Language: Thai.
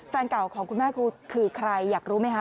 แฟนเก่าของคุณแม่คือใครอยากรู้ไหมคะ